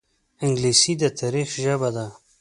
انګلیسي د تاریخ ژبه ده